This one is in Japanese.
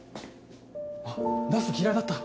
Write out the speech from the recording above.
あっナス嫌いだった？